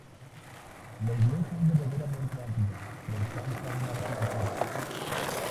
La iglesia es verdaderamente amplia y alcanza una gran altura.